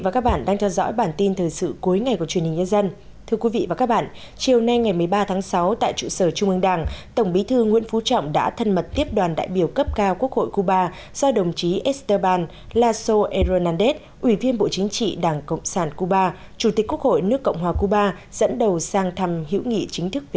các bạn hãy đăng ký kênh để ủng hộ kênh của chúng mình nhé